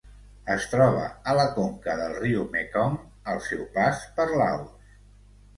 Es troba a la conca del riu Mekong al seu pas per Laos.